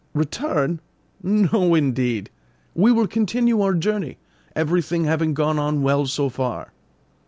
"Return! no, indeed! We will continue our journey, everything having gone on well so far."